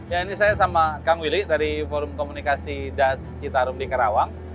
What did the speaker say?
ya ini saya sama kang willy dari forum komunikasi das citarum di karawang